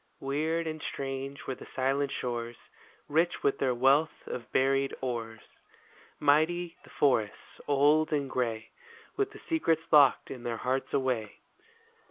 Weird and strange were the silent shores, Rich with their wealth of buried ores ; Mighty the forests, old and gray, With the secrets locked in their hearts away.